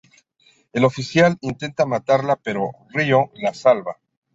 El oficial intenta matarla pero Ryo la salva.